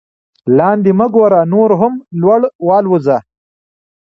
لاندې مه ګوره نور هم لوړ والوځه.